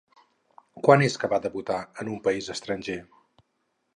Quan és que va debutar en un país estranger?